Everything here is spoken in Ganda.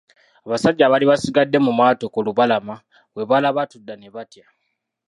Abasajja abaali basigadde mu maato ku Lubalama bwe baalaba tudda ne batya.